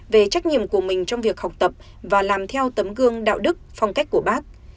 về trách nhiệm của mình trong việc học tập và làm theo tấm gương đạo đức phong cách của bác